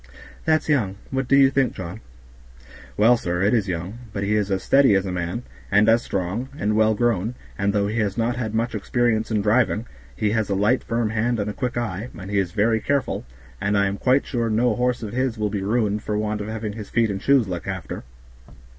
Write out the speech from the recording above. "That's young; what do you think, John?" "Well, sir, it is young; but he is as steady as a man, and is strong, and well grown, and though he has not had much experience in driving, he has a light firm hand and a quick eye, and he is very careful, and I am quite sure no horse of his will be ruined for want of having his feet and shoes looked after."